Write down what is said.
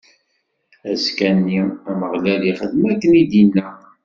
Azekka-nni, Ameɣlal ixdem akken i d-inna.